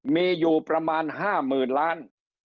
มีอยู่ประมาณ๕หมื่นล้าน